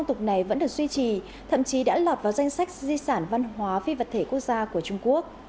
tục này vẫn được duy trì thậm chí đã lọt vào danh sách di sản văn hóa phi vật thể quốc gia của trung quốc